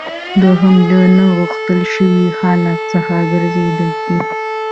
دوهم له نه غوښتل شوي حالت څخه ګرځیدل دي.